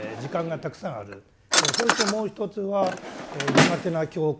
それともう一つは苦手な教科